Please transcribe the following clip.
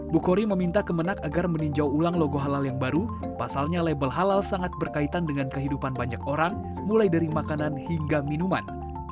bukori meminta kemenang agar meninjau ulang logo halal yang baru pasalnya label halal sangat berkaitan dengan kehidupan banyak orang mulai dari makanan hingga minuman